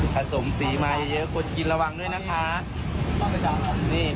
สมสีมาเยอะคนกินระวังด้วยนะคะ